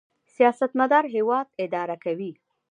سیاستمدار هیواد اداره کوي